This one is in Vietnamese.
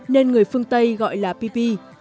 nên người phương tây gọi là phi phi